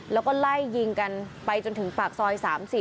แล้วก็ไล่ยิงกันไปจนถึงปากซอย๓๐